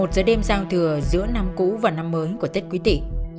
một mươi một giờ đêm giao thừa giữa năm cũ và năm mới của tết quý tị